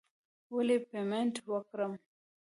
ولې پیمنټ وکړم.